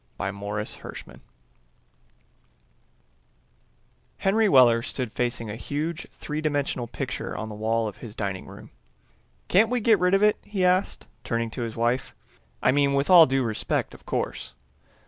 By Morris Hershman Henry Weller stood facing a huge three dimensional picture on the wall of his dining room. "Can't we get rid of it?" he asked, turning to his wife. "I mean, with all due respect, of course."